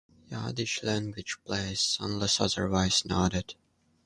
Yiddish-language plays, unless otherwise noted.